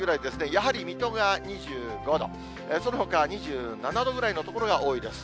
やはり水戸が２５度、そのほかは２７度ぐらいの所が多いです。